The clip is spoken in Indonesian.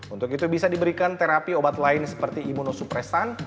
untuk itu bisa diberikan terapi obat lain seperti imunosupresan